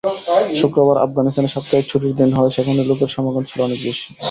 শুক্রবার আফগানিস্তানে সাপ্তাহিক ছুটির দিন হওয়ায় সেখানে লোকের সমাগম ছিল অনেক বেশি।